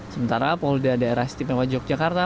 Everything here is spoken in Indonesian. sementara polda daerah istimewa yogyakarta